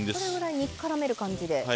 これぐらい煮からめる感じで。